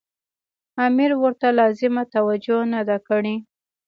امیر ورته لازمه توجه نه ده کړې.